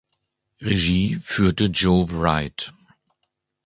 Regie führte Joe Wright.